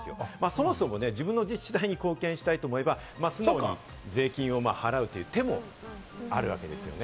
そもそも自分の自治体に貢献したいと思えば税金を払うという手もあるわけですよね。